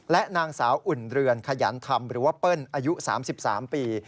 และนางสาวอุ่นเรือนขยันธรรมหรือว่าเปิ้ลอายุ๓๓ปี